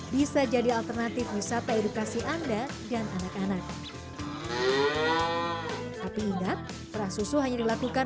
bisa jadi alternatif wisata edukasi anda dan anak anak tapi ingat perah susu hanya dilakukan